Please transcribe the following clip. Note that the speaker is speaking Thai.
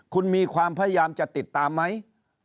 คุณมีความพยายามจะติดตามไหม